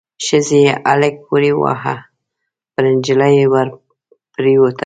ښځې هلک پوري واهه، پر نجلۍ ور پريوته.